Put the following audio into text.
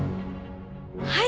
はい！